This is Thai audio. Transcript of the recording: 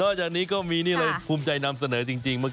นอกจากนี้ก็มีนี่เลยภูมิใจนำเสนอจริง